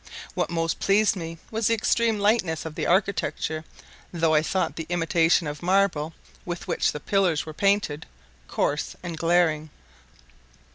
What most pleased me was the extreme lightness of the architecture though I thought the imitation of marble, with which the pillars were painted, coarse and glaring.